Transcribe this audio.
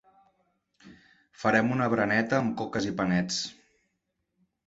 Farem una bereneta amb coques i panets